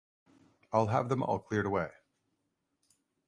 I'll have them all cleared away.